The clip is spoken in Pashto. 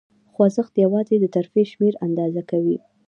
خوځښت یواځې د ترفیع شمېر آندازه کوي.